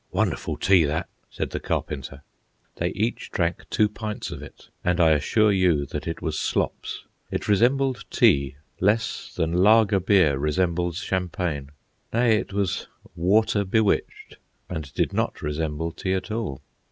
"Wonderful tea, that," said the Carpenter. They each drank two pints of it, and I assure you that it was slops. It resembled tea less than lager beer resembles champagne. Nay, it was "water bewitched," and did not resemble tea at all.